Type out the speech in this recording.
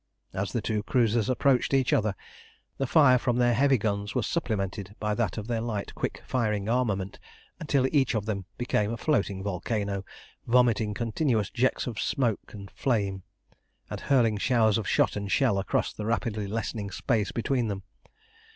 As the two cruisers approached each other, the fire from their heavy guns was supplemented by that of their light quick firing armament, until each of them became a floating volcano, vomiting continuous jets of smoke and flame, and hurling showers of shot and shell across the rapidly lessening space between them.